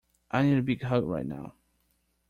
I need a big hug right now.